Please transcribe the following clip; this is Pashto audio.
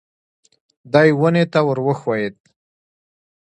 دی ونې ته ور وښوېد.